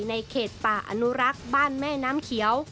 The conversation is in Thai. ในเขตป่าอนุรักษ์บ้านแม่น้ำเขียว